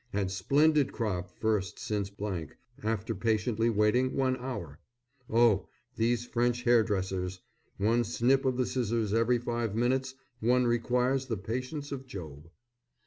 Had splendid crop first since after patiently waiting one hour. Oh! these French hairdressers! One snip of the scissors every five minutes; one requires the patience of Job.